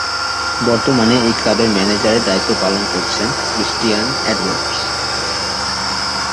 বর্তমানে এই ক্লাবের ম্যানেজারের দায়িত্ব পালন করছেন ক্রিস্টিয়ান এডওয়ার্ডস।